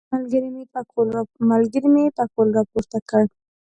ملګري مې پکول راپورته کړ.